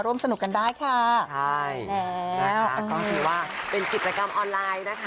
สนุกกันได้ค่ะใช่แล้วก็ถือว่าเป็นกิจกรรมออนไลน์นะคะ